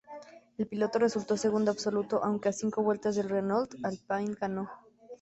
El piloto resultó segundo absoluto, aunque a cinco vueltas del Renault Alpine ganador.